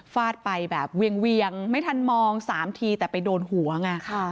ฟาดไปแบบเวียงไม่ทันมอง๓ทีแต่ไปโดนหัวไง